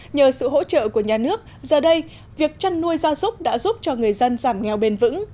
nhờ sự hỗ trợ của nhà nước giờ đây việc chăn nuôi gia súc đã giúp cho người dân giảm nghèo bền vững